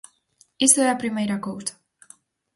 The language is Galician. Iso é a primeira cousa.